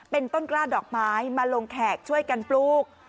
เป็นต้นกล้าดอกไม้มาลงแขกช่วยกันปลูก